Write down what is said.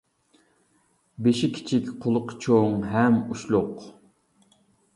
بېشى كىچىك، قۇلىقى چوڭ ھەم ئۇچلۇق.